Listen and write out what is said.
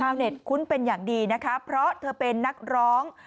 เน็ตคุ้นเป็นอย่างดีนะคะเพราะเธอเป็นนักร้อง